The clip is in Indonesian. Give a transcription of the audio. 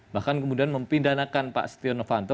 bahkan kemudian mempindahkan pak setiano panto